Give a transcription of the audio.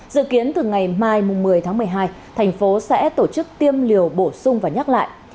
dự kiến từ ngày mai một mươi một mươi hai tp hcm sẽ tổ chức tiêm liều bổ sung và nhắc lại